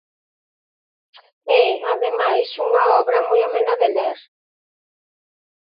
É ademais unha obra moi amena de ler.